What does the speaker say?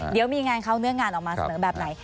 เดี๋ยวมีงานเขาเนื้องงานชอบแบบไหน